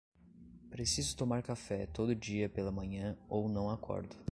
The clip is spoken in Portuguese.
Preciso tomar café todo dia pela manhã ou não acordo.